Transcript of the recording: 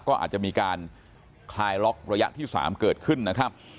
ก็อาจจะมีการคลายล็อกระยะที่๓เกิดขึ้นนะครับ